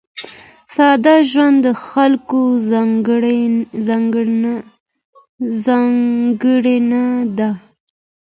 ساده ژوند د خلکو ځانګړنه ده.